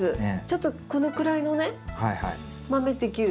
ちょっとこのくらいのね豆できる。